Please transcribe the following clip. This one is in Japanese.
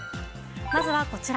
まずはこちら。